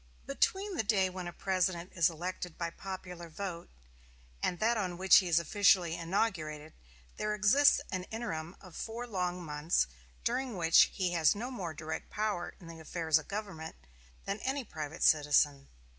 Between the day when a President is elected by popular vote and that on which he is officially inaugurated there exists an interim of four long months, during which he has no more direct power in the affairs of government than any private citizen.